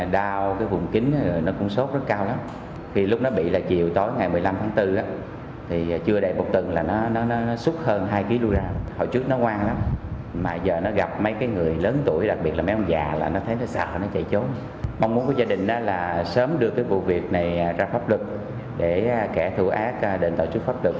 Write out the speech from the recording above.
để kẻ thù ác định tạo chứa pháp được